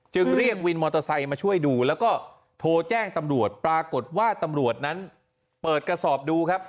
เรียกวินมอเตอร์ไซค์มาช่วยดูแล้วก็โทรแจ้งตำรวจปรากฏว่าตำรวจนั้นเปิดกระสอบดูครับ